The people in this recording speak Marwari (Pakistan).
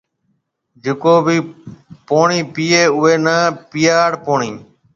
جڪو ڀِي پوڻِي پِئي اُوئي نَي پِياڙ پوڻِي۔